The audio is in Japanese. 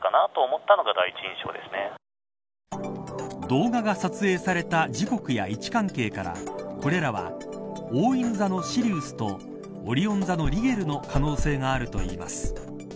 動画が撮影された時刻や位置関係からこれらはおおいぬ座のシリウスとオリオン座のリゲルの可能性があるといいます。